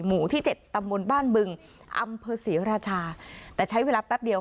หมู่ที่เจ็ดตำบลบ้านบึงอำเภอศรีราชาแต่ใช้เวลาแป๊บเดียว